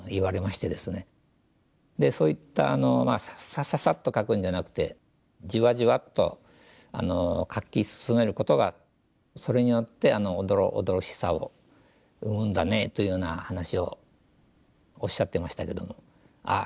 そういったサササッと描くんじゃなくてじわじわっと描き進めることがそれによってあのおどろおどろしさを生むんだねというような話をおっしゃってましたけどもああ